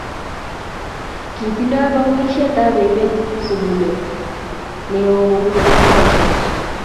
kitindoi bounishet ab emet sungulet neo kubun afisaek chi